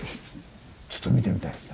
ちょっと見てみたいですね。